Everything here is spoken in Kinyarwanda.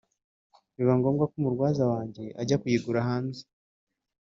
biba ngombwa ko umurwaza wanjye ajya kuyigura hanze